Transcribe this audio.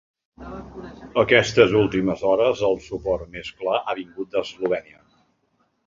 Aquestes últimes hores el suport més clar ha vingut d’Eslovènia.